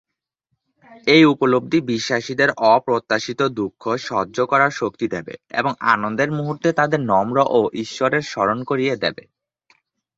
এই উপলব্ধি বিশ্বাসীদের অপ্রত্যাশিত দুঃখ সহ্য করার শক্তি দেবে এবং আনন্দের মুহুর্তে তাদের নম্র ও ঈশ্বরের স্মরণ করিয়ে দেবে।